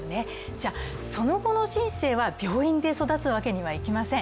じゃ、その後の人生は病院で育つわけにはいきません。